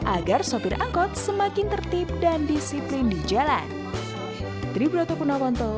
agar sopir angkot semakin tertib dan disiplin di jalan